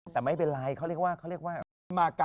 แต่ไม่เป็นไรเขาเรียกว่าเขาเรียกว่ามากา